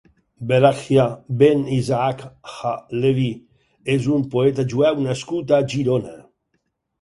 Berakhia ben Isaac ha-Leví és un poeta jueu nascut a Girona.